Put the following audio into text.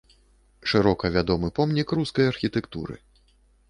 Шырока вядомы помнік рускай архітэктуры.